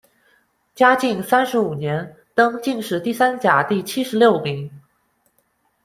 嘉靖三十五年，登进士第三甲第七十六名。